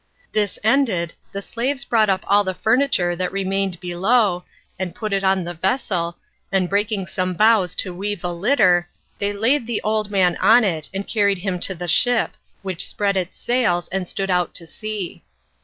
This ended, the slaves brought up all the furniture that remained below, and put it on the vessel, and breaking some boughs to weave a litter, they laid the old man on it, and carried him to the ship, which spread its sails and stood out to sea.